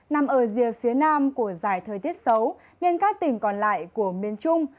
nằm ở rìa phía nam của dài thời tiết xấu nên các tỉnh còn lại của miền trung